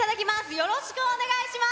よろしくお願いします。